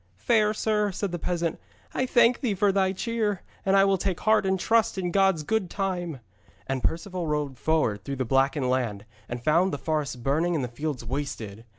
'Fair sir,' said the peasant, 'I thank thee for thy cheer, and I will take heart and trust in God's good time.' And Perceval rode forward through the blackened land and found the forests burning and the fields wasted.